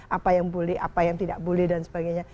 apa yang boleh apa yang tidak boleh dan sebagainya